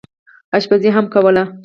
اشپزي هم کوله.